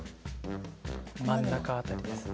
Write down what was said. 真ん中辺りですね。